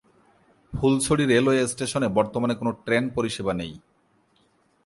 Fulchhari railway স্টেশনে বর্তমানে কোন ট্রেন পরিষেবা নেই।